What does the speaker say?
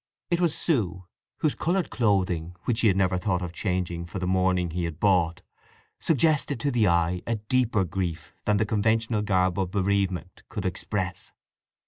It was Sue, whose coloured clothing, which she had never thought of changing for the mourning he had bought, suggested to the eye a deeper grief than the conventional garb of bereavement could express.